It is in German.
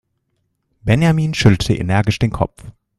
Benjamin schüttelte energisch den Kopf.